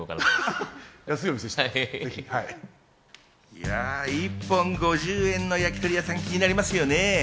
いや、一本５０円の焼き鳥屋さん、気になりますよね。